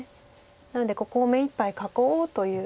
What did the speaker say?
なのでここを目いっぱい囲おうという意図の手です。